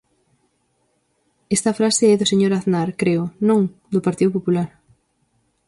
Esta frase é do señor Aznar, creo, ¿non?, do Partido Popular.